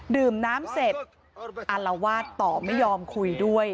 ดื่มน้ำเสร็จอารวาสต่อไม่ยอมคุยด้วย